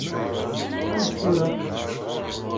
Amek tura?